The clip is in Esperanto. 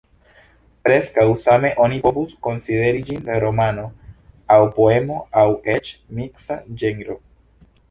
Preskaŭ same oni povus konsideri ĝin romano aŭ poemo, aŭ eĉ miksa ĝenro.